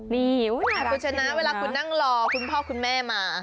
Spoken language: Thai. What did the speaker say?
นี่น่ารักที่เห็นคุณชนะเวลาคุณนั่งรอคุณพ่อคุณแม่มา